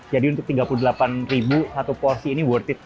jadi untuk rp tiga puluh delapan satu porsi ini worth it